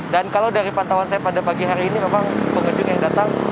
dan kalau dari pantauan saya pada pagi hari ini memang pengunjung yang datang